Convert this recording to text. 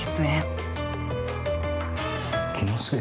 気のせい？